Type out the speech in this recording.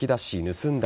盗んだ